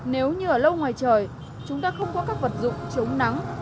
nếu như ở lâu ngoài trời chúng ta không có các vật dụng chống nắng